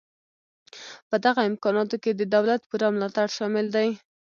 په دغه امکاناتو کې د دولت پوره ملاتړ شامل دی